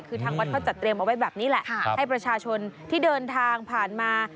คือทางวัดเขาจัดเตรียมเอาไว้แบบนี้แหละให้ประชาชนที่เดินทางผ่านมา